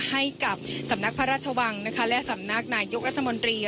ให้กับสำนักพระราชวังและสำนักนายกรัฐมนตรี